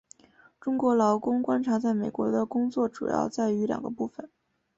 中国劳工观察在美国的工作主要在于两个部份。